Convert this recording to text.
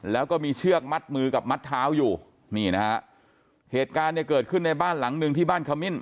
แล้วก็มีเชือกมัดมือกับมัดเท้าอยู่นี่นะฮะเหตุการณ์เนี่ยเกิดขึ้นในบ้านหลังหนึ่งที่บ้านขมิ้น